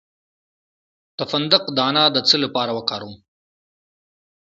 د فندق دانه د څه لپاره وکاروم؟